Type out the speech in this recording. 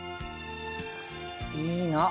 いいの。